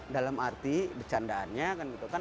dalam arti bercandaannya kan